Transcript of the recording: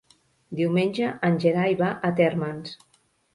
Diumenge en Gerai va a Térmens.